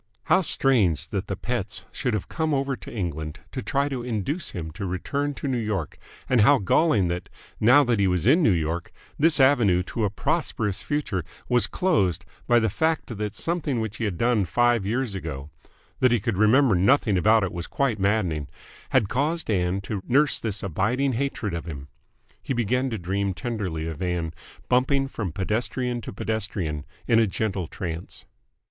How strange that the Petts should have come over to England to try to induce him to return to New York, and how galling that, now that he was in New York, this avenue to a prosperous future was closed by the fact that something which he had done five years ago that he could remember nothing about it was quite maddening had caused Ann to nurse this abiding hatred of him. He began to dream tenderly of Ann, bumping from pedestrian to pedestrian in a gentle trance.